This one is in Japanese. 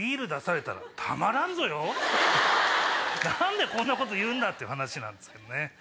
何でこんなこと言うんだ⁉っていう話なんですけどね。